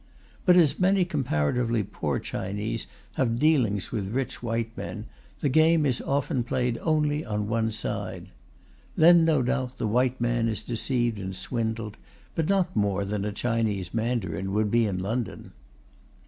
But as many comparatively poor Chinese have dealings with rich white men, the game is often played only on one side. Then, no doubt, the white man is deceived and swindled; but not more than a Chinese mandarin would be in London.